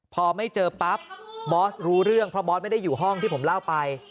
พอไม่เจอปั๊บบอสรู้เรื่องเพราะบอสไม่ได้อยู่ห้องที่ผมเล่าไป